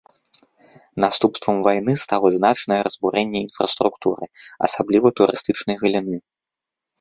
Наступствам вайны стала значнае разбурэнне інфраструктуры, асабліва турыстычнай галіны.